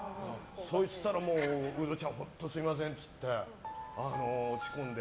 そしたら、ウドちゃんは本当すみませんって言って落ち込んで。